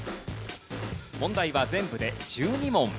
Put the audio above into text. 問題は全部で１２問。